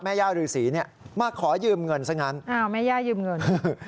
แม่ย่ารือสีมาขอยืมเงินซะงั้นแม่ย่ายืมเงิน